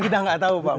kita gak tau pak